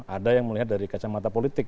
ada yang melihat dari kacamata politik